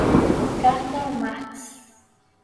Carta a Marx